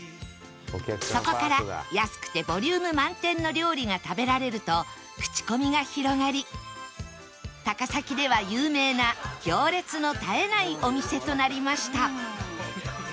そこから安くてボリューム満点の料理が食べられると口コミが広がり高崎では有名な行列の絶えないお店となりました